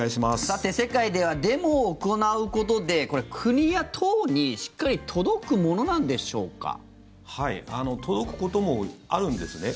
さて、世界ではデモを行うことで国や党にしっかり届くものなんでしょうか。届くこともあるんですね。